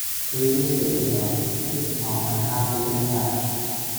Previously in love, he is now unhappily attached.